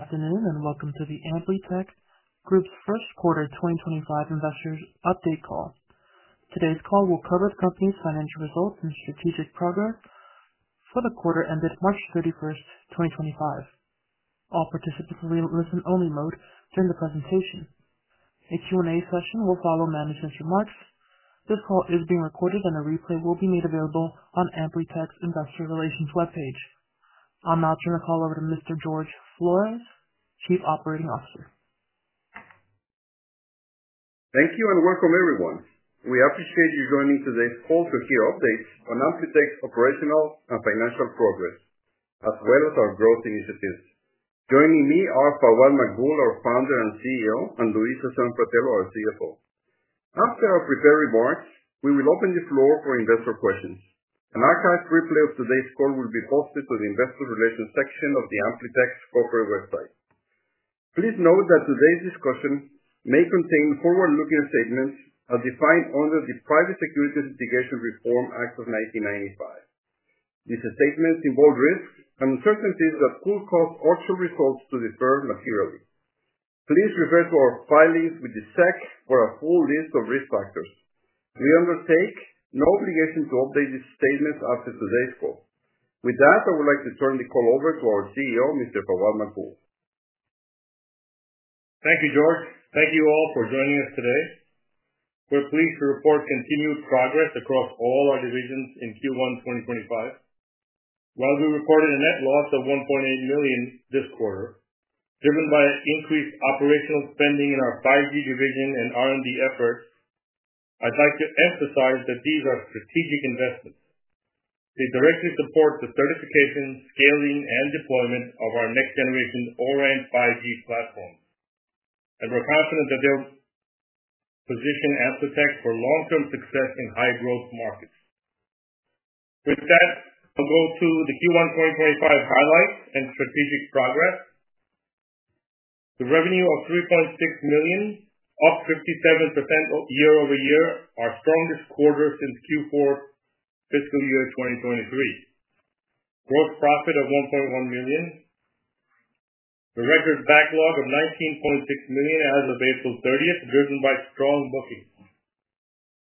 Afternoon, and welcome to the AmpliTech Group's first quarter 2025 investors' update call. Today's call will cover the company's financial results and strategic progress for the quarter ended March 31, 2025. All participants will be in listen-only mode during the presentation. A Q&A session will follow management's remarks. This call is being recorded, and a replay will be made available on AmpliTech's investor relations webpage. I'm now turning the call over to Mr. Jorge Flores, Chief Operating Officer. Thank you and welcome, everyone. We appreciate you joining today's call to hear updates on AmpliTech's operational and financial progress, as well as our growth initiatives. Joining me are Fawad Maqbool, our Founder and CEO, and Louisa Sanfratello, our CFO. After our prepared remarks, we will open the floor for investor questions. An archived replay of today's call will be posted to the investor relations section of AmpliTech's corporate website. Please note that today's discussion may contain forward-looking statements as defined under the Private Securities Litigation Reform Act of 1995. These statements involve risks and uncertainties that could cause actual results to differ materially. Please refer to our filings with the SEC for a full list of risk factors. We undertake no obligation to update these statements after today's call. With that, I would like to turn the call over to our CEO, Mr. Fawad Maqbool. Thank you, Jorge. Thank you all for joining us today. We're pleased to report continued progress across all our divisions in Q1 2025. While we recorded a net loss of $1.8 million this quarter, driven by increased operational spending in our 5G division and R&D efforts, I'd like to emphasize that these are strategic investments. They directly support the certification, scaling, and deployment of our next-generation O-RAN 5G platform, and we're confident that they'll position AmpliTech for long-term success in high-growth markets. With that, I'll go to the Q1 2025 highlights and strategic progress. The revenue of $3.6 million, up 57% year-over-year, our strongest quarter since Q4 fiscal year 2023. Gross profit of $1.1 million. The record backlog of $19.6 million as of April 30, driven by strong bookings.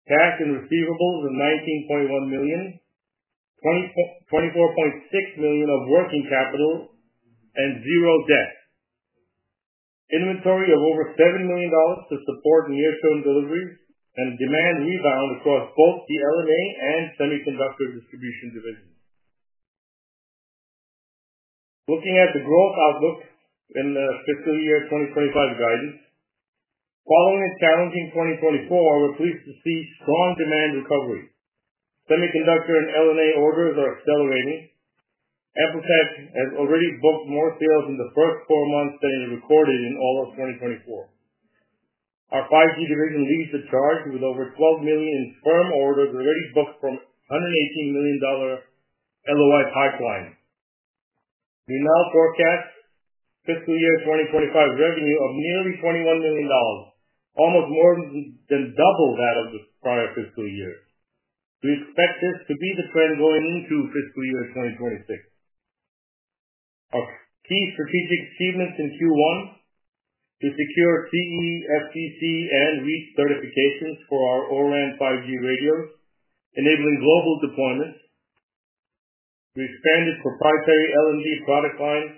Cash and receivables of $19.1 million, $24.6 million of working capital, and zero debt. Inventory of over $7 million to support near-term deliveries and demand rebound across both the L&A and semiconductor distribution divisions. Looking at the growth outlook in the fiscal year 2025 guidance, following a challenging 2024, we're pleased to see strong demand recovery. Semiconductor and L&A orders are accelerating. AmpliTech has already booked more sales in the first four months than it recorded in all of 2024. Our 5G division leads the charge with over $12 million in firm orders already booked from $118 million LOI pipeline. We now forecast fiscal year 2025 revenue of nearly $21 million, almost more than double that of the prior fiscal year. We expect this to be the trend going into fiscal year 2026. Our key strategic achievements in Q1: we secured CE, FCC, and REACH certifications for our O-RAN 5G radios, enabling global deployments. We expanded proprietary L&A product lines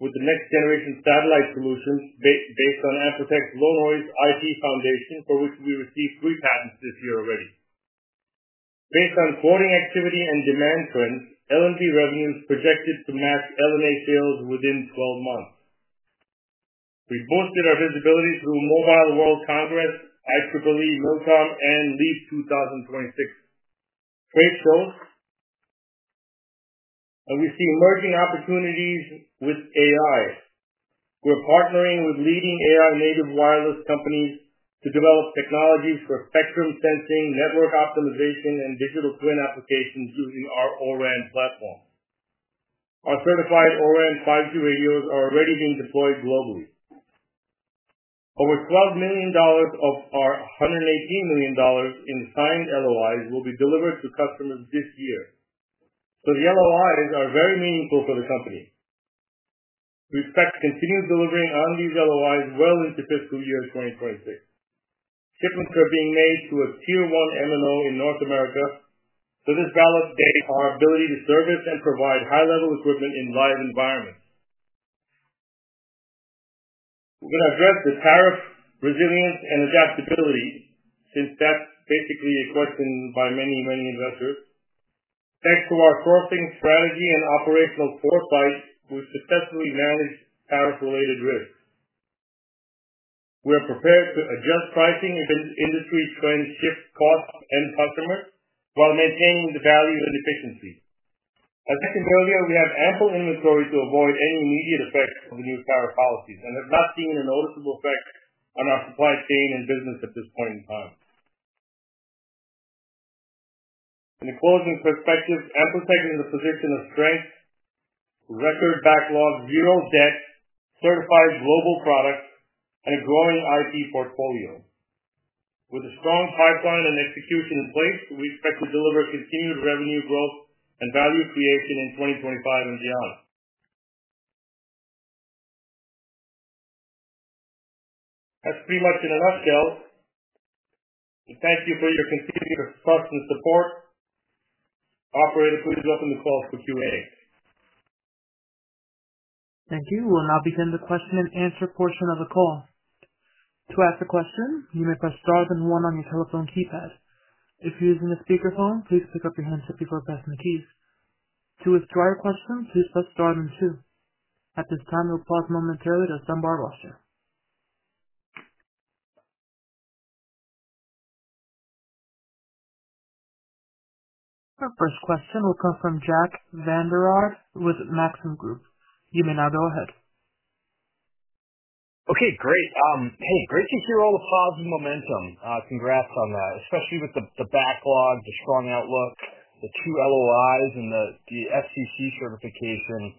with the next-generation satellite solutions based on AmpliTech's low-noise IP foundation, for which we received three patents this year already. Based on quoting activity and demand trends, L&A revenues projected to match L&A sales within 12 months. We boosted our visibility through Mobile World Congress, IEEE Milcom, and LEAP 2026 trade shows, and we see emerging opportunities with AI. We are partnering with leading AI-native wireless companies to develop technologies for spectrum sensing, network optimization, and digital twin applications using our O-RAN platform. Our certified O-RAN 5G radios are already being deployed globally. Over $12 million of our $118 million in signed LOIs will be delivered to customers this year. The LOIs are very meaningful for the company. We expect continued delivery on these LOIs well into fiscal year 2026. Shipments are being made to a tier-one MNO in North America, so this validates our ability to service and provide high-level equipment in live environments. We're going to address the tariff resilience and adaptability since that's basically a question by many, many investors. Thanks to our sourcing strategy and operational foresight, we've successfully managed tariff-related risks. We're prepared to adjust pricing if industry trends shift costs and customers while maintaining the value and efficiency. As mentioned earlier, we have ample inventory to avoid any immediate effects of the new tariff policies and have not seen a noticeable effect on our supply chain and business at this point in time. In the closing perspective, AmpliTech is in a position of strength: record backlog, zero debt, certified global products, and a growing IP portfolio. With a strong pipeline and execution in place, we expect to deliver continued revenue growth and value creation in 2025 and beyond. That's pretty much in a nutshell. Thank you for your continued trust and support. Operator, please welcome the call for Q&A. Thank you. We'll now begin the question-and-answer portion of the call. To ask a question, you may press star and one on your telephone keypad. If you're using a speakerphone, please pick up your handset before pressing the keys. To withdraw your question, please press star and two. At this time, we'll pause momentarily to assemble our roster. Our first question will come from Jack Vander Aard with Maxim Group. You may now go ahead. Okay, great. Hey, great to hear all the positive momentum. Congrats on that, especially with the backlog, the strong outlook, the two LOIs, and the FCC certification.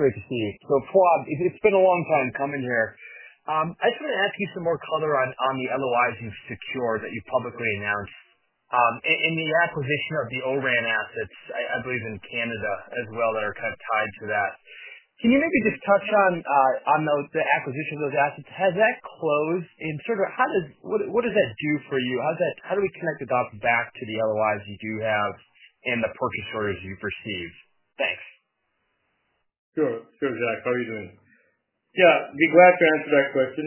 Great to see. Fawad, it's been a long time coming here. I just want to ask you some more color on the LOIs you've secured that you've publicly announced and the acquisition of the O-RAN assets, I believe, in Canada as well that are kind of tied to that. Can you maybe just touch on the acquisition of those assets? Has that closed and sort of what does that do for you? How do we connect the dots back to the LOIs you do have and the purchase orders you've received? Thanks. Sure. Sure, Jack. How are you doing? Yeah, I'd be glad to answer that question.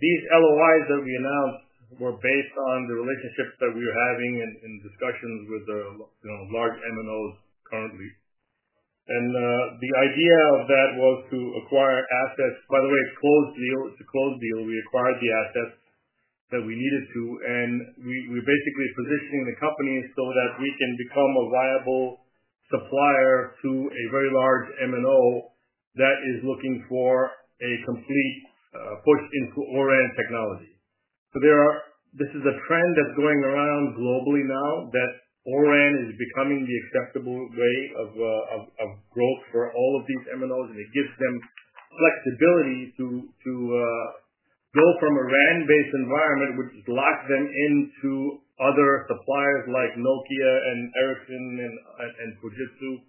These LOIs that we announced were based on the relationships that we were having and discussions with large MNOs currently. The idea of that was to acquire assets. By the way, it's a closed deal. It's a closed deal. We acquired the assets that we needed to, and we're basically positioning the company so that we can become a viable supplier to a very large MNO that is looking for a complete push into O-RAN technology. This is a trend that's going around globally now that O-RAN is becoming the acceptable way of growth for all of these MNOs, and it gives them flexibility to go from a RAN-based environment, which has locked them into other suppliers like Nokia and Ericsson and Fujitsu.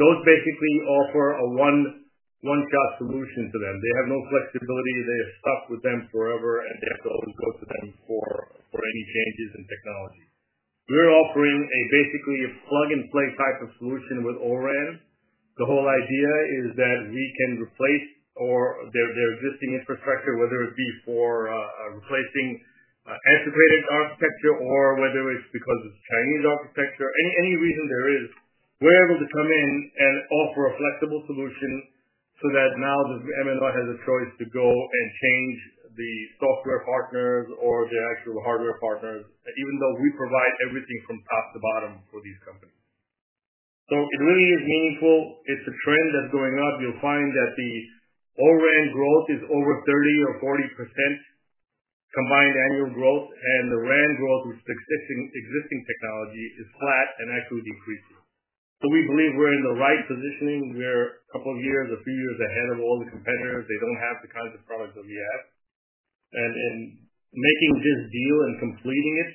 Those basically offer a one-shot solution to them. They have no flexibility. They are stuck with them forever, and they have to always go to them for any changes in technology. We're offering basically a plug-and-play type of solution with O-RAN. The whole idea is that we can replace their existing infrastructure, whether it be for replacing an integrated architecture or whether it's because it's Chinese architecture, any reason there is, we're able to come in and offer a flexible solution so that now the MNO has a choice to go and change the software partners or the actual hardware partners, even though we provide everything from top to bottom for these companies. It really is meaningful. It's a trend that's going up. You'll find that the O-RAN growth is over 30% or 40% combined annual growth, and the RAN growth with existing technology is flat and actually decreasing. We believe we're in the right positioning. We're a couple of years, a few years ahead of all the competitors. They don't have the kinds of products that we have. Making this deal and completing it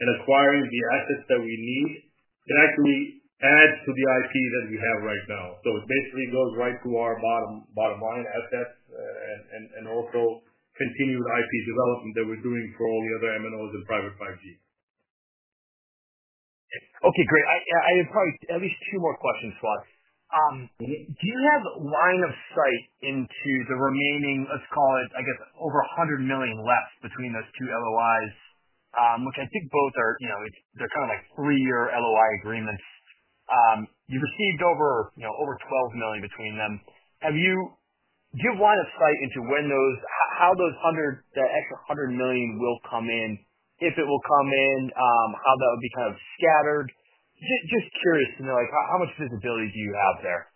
and acquiring the assets that we need, it actually adds to the IP that we have right now. It basically goes right to our bottom line assets and also continued IP development that we're doing for all the other MNOs and private 5G. Okay, great. I have probably at least two more questions, Fawad. Do you have line of sight into the remaining, let's call it, I guess, over $100 million left between those two LOIs, which I think both are they're kind of like three-year LOI agreements. You've received over $12 million between them. Do you have line of sight into how those extra $100 million will come in, if it will come in, how that would be kind of scattered? Just curious to know, how much visibility do you have there?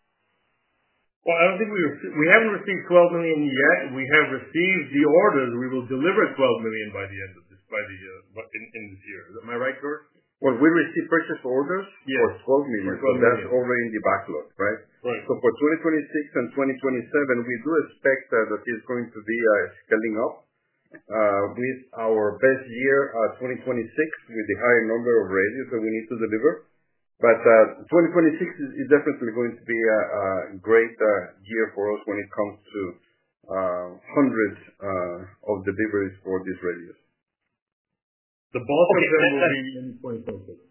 I don't think we have, we haven't received $12 million yet. We have received the orders. We will deliver $12 million by the end of this year. Is that my right, Jorge? When we receive purchase orders for $12 million, that's already in the backlog, right? For 2026 and 2027, we do expect that it's going to be scaling up with our best year 2026 with the higher number of radios that we need to deliver. 2026 is definitely going to be a great year for us when it comes to hundreds of deliveries for these radios. The bulk of them will be in 2026.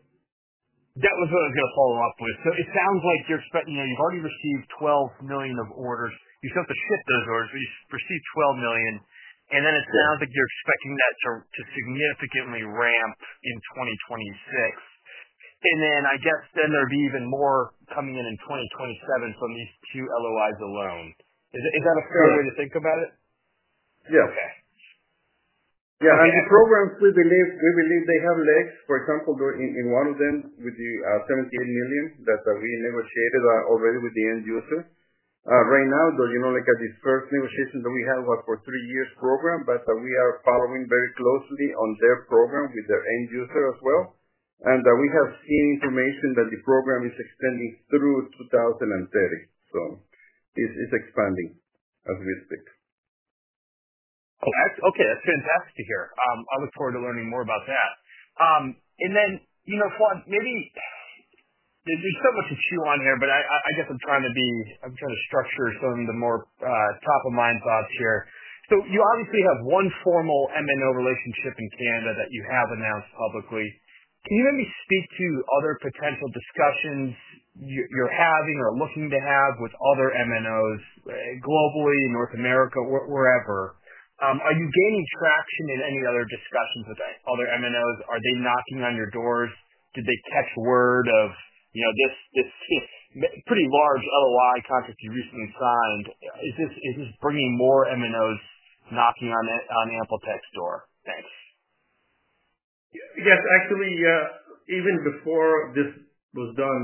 That was what I was going to follow up with. It sounds like you've already received $12 million of orders. You still have to ship those orders, but you've received $12 million. It sounds like you're expecting that to significantly ramp in 2026. I guess there would be even more coming in in 2027 from these two LOIs alone. Is that a fair way to think about it? Yes. Yeah. I mean, the programs, we believe they have legs. For example, in one of them with the $78 million that we negotiated already with the end user. Right now, at this first negotiation that we had, it was for a three-year program, but we are following very closely on their program with their end user as well. We have seen information that the program is extending through 2030. It is expanding as we speak. Okay. That's fantastic to hear. I look forward to learning more about that. Fawad, maybe there's so much to chew on here, but I guess I'm trying to structure some of the more top-of-mind thoughts here. You obviously have one formal MNO relationship in Canada that you have announced publicly. Can you maybe speak to other potential discussions you're having or looking to have with other MNOs globally, North America, wherever? Are you gaining traction in any other discussions with other MNOs? Are they knocking on your doors? Did they catch word of this pretty large LOI contract you recently signed? Is this bringing more MNOs knocking on AmpliTech's door? Yes. Actually, even before this was done,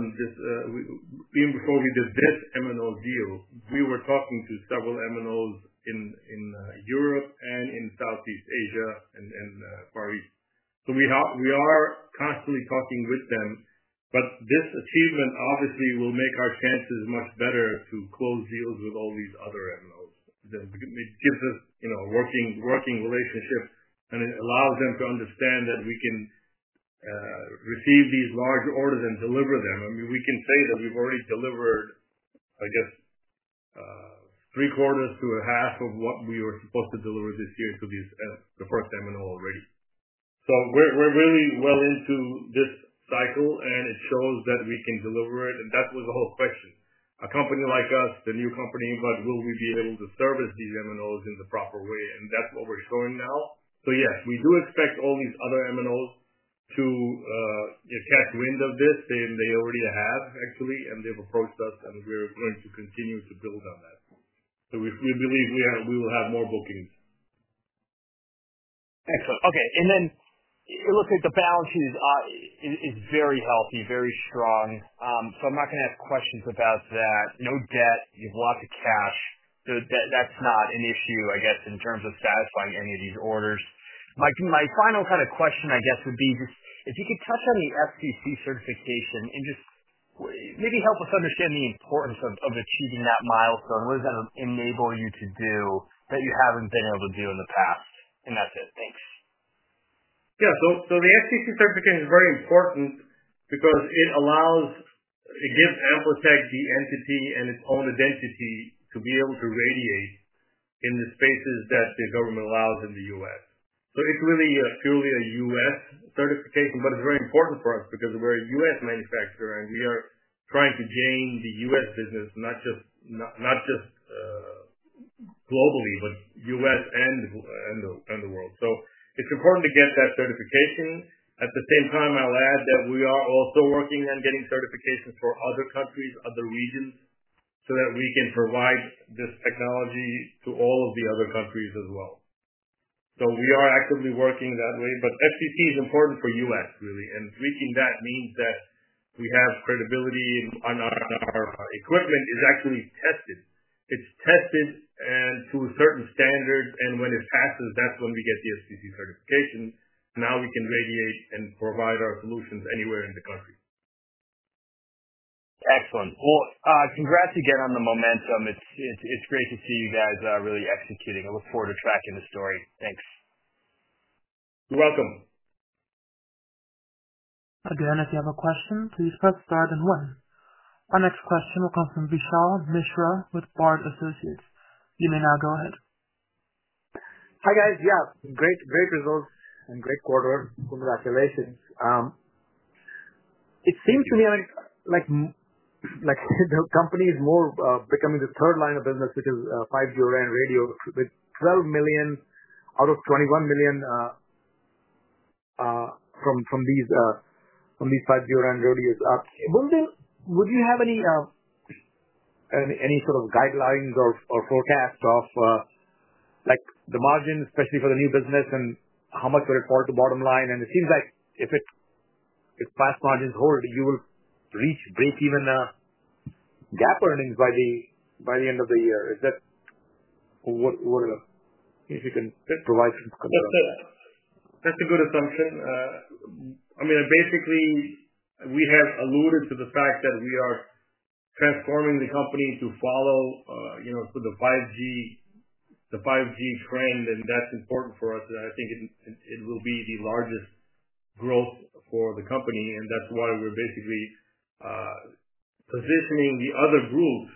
even before we did this MNO deal, we were talking to several MNOs in Europe and in Southeast Asia and Far East. We are constantly talking with them. This achievement obviously will make our chances much better to close deals with all these other MNOs. It gives us a working relationship, and it allows them to understand that we can receive these large orders and deliver them. I mean, we can say that we've already delivered, I guess, three-quarters to a half of what we were supposed to deliver this year to the first MNO already. We are really well into this cycle, and it shows that we can deliver it. That was the whole question. A company like us, the new company, but will we be able to service these MNOs in the proper way? That is what we are showing now. Yes, we do expect all these other MNOs to catch wind of this. They already have, actually, and they have approached us, and we are going to continue to build on that. We believe we will have more bookings. Excellent. Okay. It looks like the balance sheet is very healthy, very strong. I am not going to ask questions about that. No debt. You have lots of cash. That is not an issue, I guess, in terms of satisfying any of these orders. My final kind of question, I guess, would be just if you could touch on the FCC certification and just maybe help us understand the importance of achieving that milestone. What does that enable you to do that you have not been able to do in the past? That is it. Thanks. Yeah. So the FCC certification is very important because it gives AmpliTech the entity and its own identity to be able to radiate in the spaces that the government allows in the U.S. It is really purely a U.S. certification, but it is very important for us because we are a U.S. manufacturer, and we are trying to gain the U.S. business, not just globally, but U.S. and the world. It is important to get that certification. At the same time, I'll add that we are also working on getting certifications for other countries, other regions, so that we can provide this technology to all of the other countries as well. We are actively working that way. FCC is important for U.S., really. Reaching that means that we have credibility on our equipment is actually tested. It's tested to a certain standard, and when it passes, that's when we get the FCC certification. Now we can radiate and provide our solutions anywhere in the country. Excellent. Congrats again on the momentum. It's great to see you guys really executing. I look forward to tracking the story. Thanks. You're welcome. Again, if you have a question, please press star and one. Our next question will come from Vishal Mishra with Bard Associates. You may now go ahead. Hi, guys. Yeah. Great results and great quarter. Congratulations. It seems to me like the company is more becoming the third line of business, which is 5G O-RAN radios, with $12 million out of $21 million from these 5G O-RAN radios. Would you have any sort of guidelines or forecast of the margin, especially for the new business, and how much will it fall to bottom line? It seems like if past margins hold, you will reach break-even GAAP earnings by the end of the year. Is that what, if you can provide some context? That's a good assumption. I mean, basically, we have alluded to the fact that we are transforming the company to follow the 5G trend, and that's important for us. I think it will be the largest growth for the company, and that's why we're basically positioning the other groups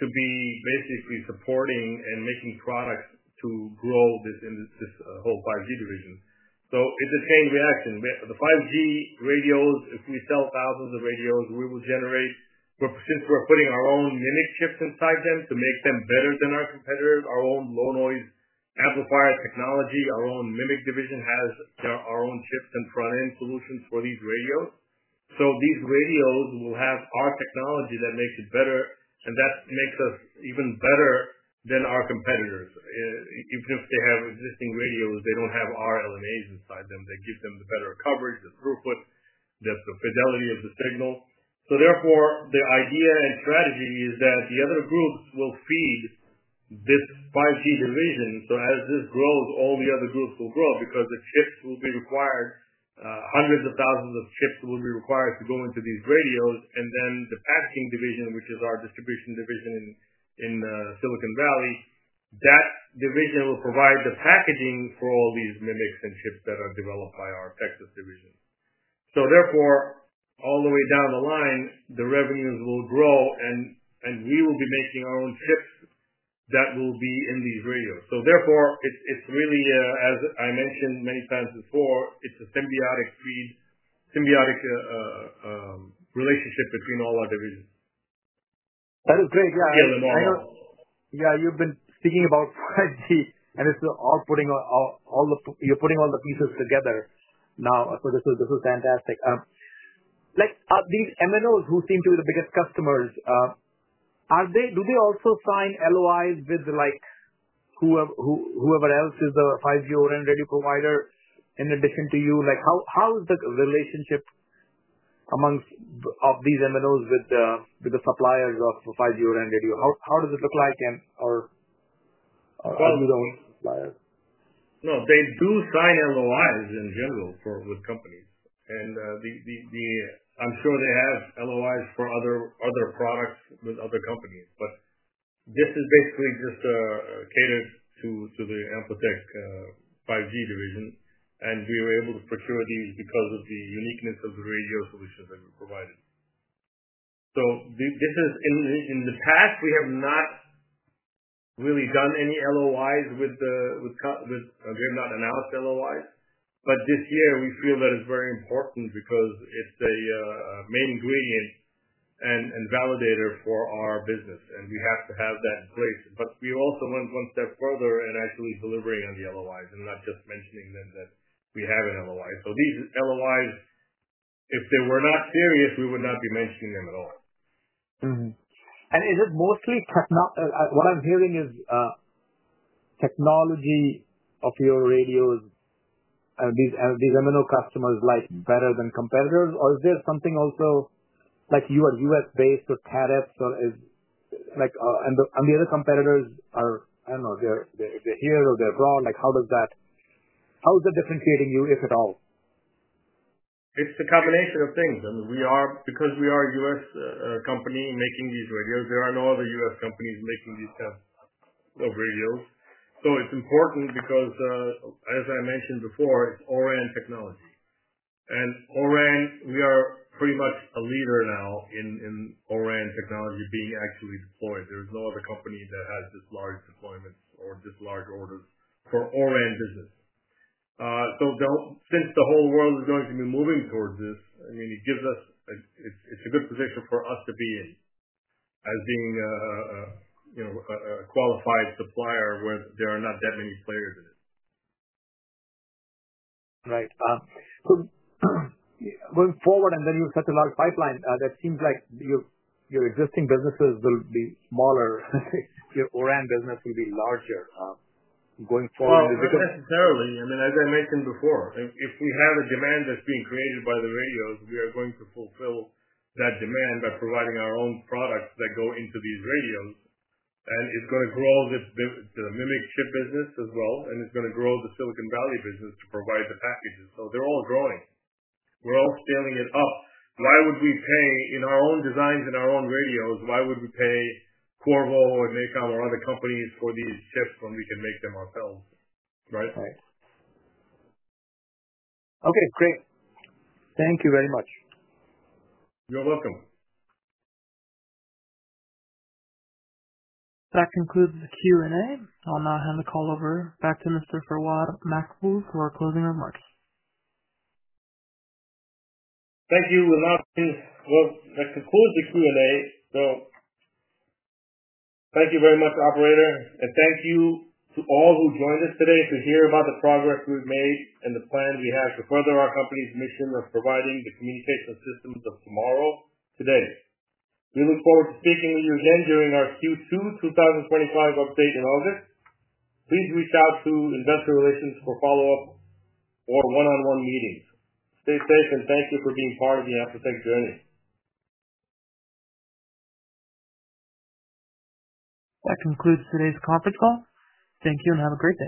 to be basically supporting and making products to grow this whole 5G division. It is a chain reaction. The 5G radios, if we sell thousands of radios, we will generate, since we're putting our own MMIC chips inside them to make them better than our competitors, our own low-noise amplifier technology. Our own MMIC division has our own chips and front-end solutions for these radios. These radios will have our technology that makes it better, and that makes us even better than our competitors. Even if they have existing radios, they don't have our LNAs inside them. They give them the better coverage, the throughput, the fidelity of the signal. Therefore, the idea and strategy is that the other groups will feed this 5G division. As this grows, all the other groups will grow because the chips will be required. Hundreds of thousands of chips will be required to go into these radios. The packaging division, which is our distribution division in Silicon Valley, will provide the packaging for all these MMICs and chips that are developed by our Texas division. Therefore, all the way down the line, the revenues will grow, and we will be making our own chips that will be in these radios. It is really, as I mentioned many times before, a symbiotic relationship between all our divisions. That is great. Yeah. Yeah. You've been speaking about 5G, and you're putting all the pieces together now. This is fantastic. These MNOs who seem to be the biggest customers, do they also sign LOIs with whoever else is the 5G O-RAN radio provider in addition to you? How is the relationship amongst these MNOs with the suppliers of 5G O-RAN radio? How does it look like? We do not need suppliers. No. They do sign LOIs in general with companies. I am sure they have LOIs for other products with other companies. This is basically just catered to the AmpliTech 5G division, and we were able to procure these because of the uniqueness of the radio solutions that we provided. In the past, we have not really done any LOIs with, we have not announced LOIs. This year, we feel that it is very important because it is a main ingredient and validator for our business, and we have to have that in place. We also went one step further and actually delivering on the LOIs and not just mentioning them, that we have an LOI. These LOIs, if they were not serious, we would not be mentioning them at all. Is it mostly what I'm hearing is technology of your radios, these MNO customers like better than competitors, or is there something also like you are US-based with CADEX, or are the other competitors I don't know if they're here or they're abroad? How is that differentiating you, if at all? It's a combination of things. I mean, because we are a US company making these radios, there are no other US companies making these kinds of radios. It is important because, as I mentioned before, it's O-RAN technology. We are pretty much a leader now in O-RAN technology being actually deployed. There is no other company that has this large deployment or this large orders for O-RAN business. Since the whole world is going to be moving towards this, I mean, it gives us, it's a good position for us to be in as being a qualified supplier where there are not that many players in it. Right. So going forward, and then you've such a large pipeline, that seems like your existing businesses will be smaller. Your O-RAN business will be larger going forward. Not necessarily. I mean, as I mentioned before, if we have a demand that's being created by the radios, we are going to fulfill that demand by providing our own products that go into these radios. And it's going to grow the MMIC chip business as well, and it's going to grow the Silicon Valley business to provide the packages. They're all growing. We're all scaling it up. Why would we pay in our own designs and our own radios? Why would we pay Qorvo or MACOM or other companies for these chips when we can make them ourselves? Right? Right. Okay. Great. Thank you very much. You're welcome. That concludes the Q&A. I'll now hand the call over back to Mr. Fawad Maqbool for closing remarks. Thank you. That concludes the Q&A. Thank you very much, Operator. Thank you to all who joined us today to hear about the progress we've made and the plans we have to further our company's mission of providing the communication systems of tomorrow today. We look forward to speaking with you again during our Q2 2025 update in August. Please reach out to Investor Relations for follow-up or one-on-one meetings. Stay safe, and thank you for being part of the AmpliTech journey. That concludes today's conference call. Thank you and have a great day.